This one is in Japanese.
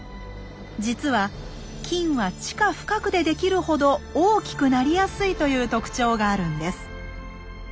実は金は地下深くで出来るほど大きくなりやすいという特徴があるんです。